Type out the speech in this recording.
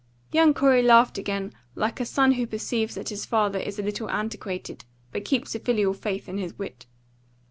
Young Corey laughed again like a son who perceives that his father is a little antiquated, but keeps a filial faith in his wit.